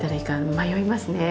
迷いますね。